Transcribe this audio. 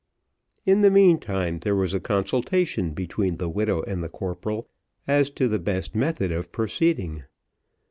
In the meantime, there was a consultation between the widow and the corporal as to the best method of proceeding.